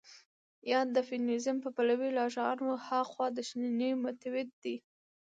يا د فيمنيزم په پلوۍ له شعارونو هاخوا د شننې مېتود دى.